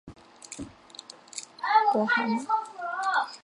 波顿与弗雷克结婚后生活在纽约布鲁克林区。